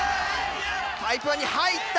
タイプ１に入った！